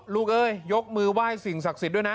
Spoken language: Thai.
เอ้ยยกมือไหว้สิ่งศักดิ์สิทธิ์ด้วยนะ